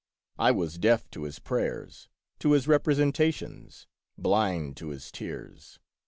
I was deaf to his prayers, to his representations, blind to his tears.